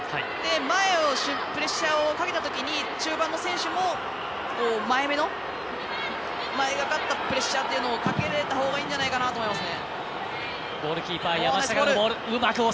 前をプレッシャーをかけたときに中盤の選手も前めの前がかったプレッシャーをかけれたほうがいいんじゃないかなと思いますね。